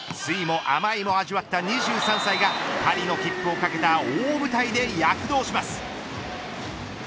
酸いも甘いも味わった２３歳がパリの切符を懸けた大舞台で躍動します。